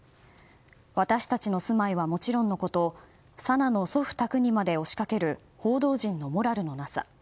私たちの住まいはもちろんのこと紗菜の祖父宅にまで押し掛ける報道陣のモラルのなさ。